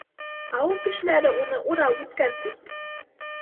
Ауыл кешеләре уны урап үткән, ти.